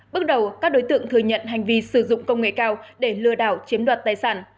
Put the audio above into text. bước đầu các đối tượng thừa nhận hành vi sử dụng công nghệ cao để lừa đảo chiếm đoạt tài sản